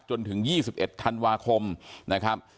จนถึง๒๑ธันวาคมนะครับ